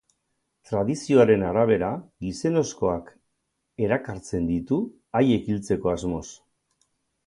Tradizioaren arabera, gizonezkoak erakartzen ditu haiek hiltzeko asmoz.